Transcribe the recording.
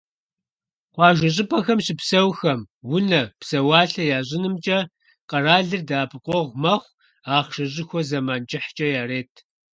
Къуажэ щӀыпӀэхэм щыпсэухэм унэ, псэуалъэ ящӀынымкӀэ къэралыр дэӀэпыкъуэгъу мэхъу: ахъшэ щӀыхуэ зэман кӀыхькӀэ ярет.